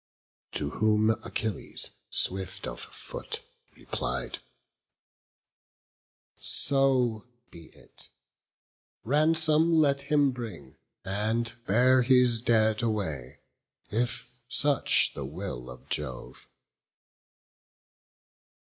To whom Achilles, swift of foot, replied: "So be it; ransom let him bring, and bear His dead away, if such the will of Jove."